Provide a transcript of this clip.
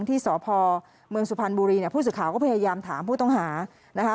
ที่สพเมืองสุพรรณบุรีเนี่ยผู้สื่อข่าวก็พยายามถามผู้ต้องหานะคะ